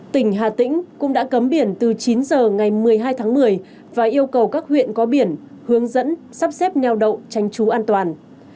tỉnh hà tĩnh cũng đã cấm biển từ chín giờ ngày một mươi hai tháng một mươi và yêu cầu các huyện có biển hướng dẫn sắp xếp neo đậu tranh trú an toàn